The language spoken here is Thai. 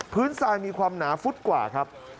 ทรายมีความหนาฟุตกว่าครับ